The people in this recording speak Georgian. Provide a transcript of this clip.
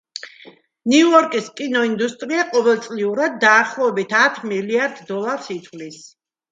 ნიუ-იორკის კინოინდუსტრია ყოველწლიურად დაახლოებით ათ მილიარდ დოლარს ითვლის.